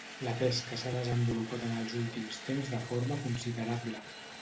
La pesca s'ha desenvolupat en els últims temps de forma considerable.